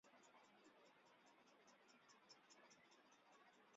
曾任中国科学院海洋研究所副所长。